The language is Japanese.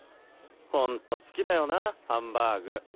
ホント好きだよなハンバーグ。